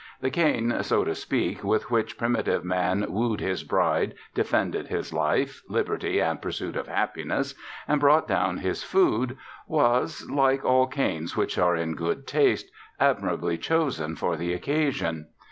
The cane, so to speak, with which primitive man wooed his bride, defended his life, liberty and pursuit of happiness, and brought down his food, was (like all canes which are in good taste) admirably chosen for the occasion.